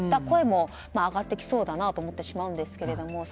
声も上がってきそうだなと思ってしまうんですけれども。